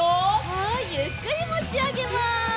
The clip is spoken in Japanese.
はいゆっくりもちあげます。